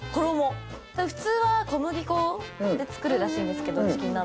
普通は小麦粉で作るらしいんですけどチキン南蛮。